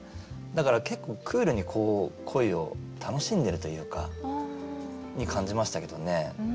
だから結構クールに恋を楽しんでるというか。に感じましたけどね。